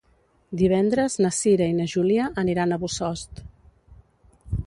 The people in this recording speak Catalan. Divendres na Cira i na Júlia aniran a Bossòst.